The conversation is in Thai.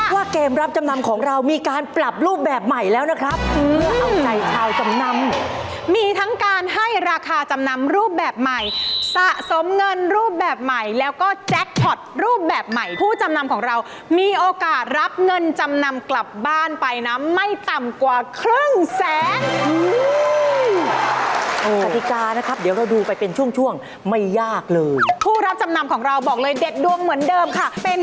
ว่าเกมรับจำนำของเรามีการปรับรูปแบบใหม่แล้วนะครับในชาวจำนำมีทั้งการให้ราคาจำนำรูปแบบใหม่สะสมเงินรูปแบบใหม่แล้วก็แจ็คพอร์ตรูปแบบใหม่ผู้จำนำของเรามีโอกาสรับเงินจำนำกลับบ้านไปนะไม่ต่ำกว่าครึ่งแสนกฎิกานะครับเดี๋ยวเราดูไปเป็นช่วงช่วงไม่ยากเลยผู้รับจำนำของเราบอกเลยเด็ดดวงเหมือนเดิมค่ะเป็น